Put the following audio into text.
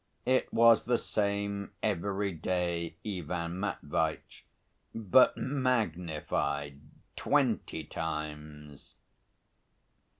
It was the same, everyday Ivan Matveitch, but magnified twenty times.